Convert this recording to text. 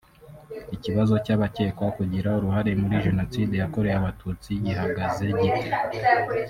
Ikibazo cy’abakekwa kugira uruhare muri Jenoside yakorewe Abatutsi gihagaze gite